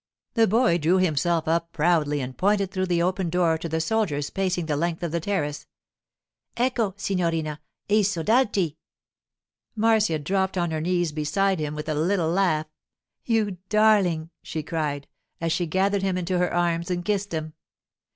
The boy drew himself up proudly and pointed through the open door to the soldiers pacing the length of the terrace. 'Ecco! signorina. I soldati!' Marcia dropped on her knees beside him with a little laugh. 'You darling!' she cried as she gathered him into her arms and kissed him.